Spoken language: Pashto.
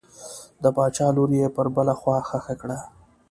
د باچا لور یې پر بله خوا ښخه کړه.